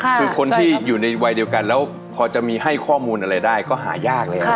คือคนที่อยู่ในวัยเดียวกันแล้วพอจะมีให้ข้อมูลอะไรได้ก็หายากเลยครับ